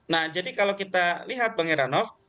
nah jadi kalau kita lihat bang heranov